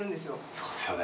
そうですよね